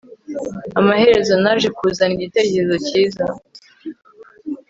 Amaherezo naje kuzana igitekerezo cyiza